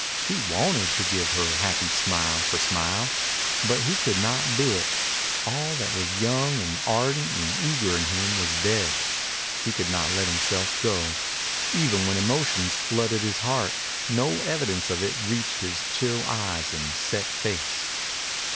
He wanted to give her happy smile for smile. But he could not do it. All that was young and ardent and eager in him was dead. He could not let himself go. Even when emotions flooded his heart, no evidence of it reached his chill eyes and set face.